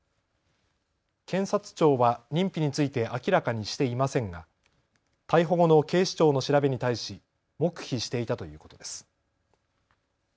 検察庁は認否について明らかにしていませんが逮捕後の警視庁の調べに対し黙秘していたということです。